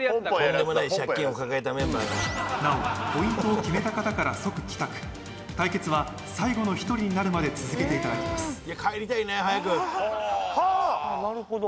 なおポイントを決めた方から即帰宅対決は最後の１人になるまで続けていただきますはあ・